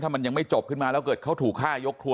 มันยังไม่จบขึ้นมาแล้วเกิดเขาถูกฆ่ายกครัว